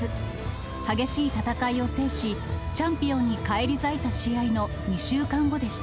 激しい戦いを制し、チャンピオンに返り咲いた試合の２週間後でした。